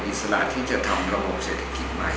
อิสระที่จะทำระบบเศรษฐกิจใหม่